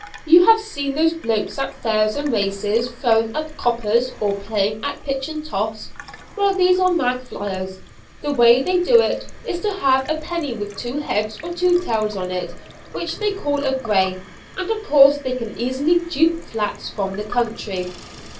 You have seen those blokes at fairs and races, throwing up coppers, or playing at pitch and toss? Well these are 'mag flyers.' The way they do it is to have a penny with two heads or two tails on it, which they call a 'grey,' and of course they can easily dupe flats from the country."